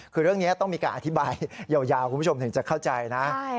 คือเรื่องนี้ต้องมีการอธิบายยาวคุณผู้ชมถึงจะเข้าใจนะ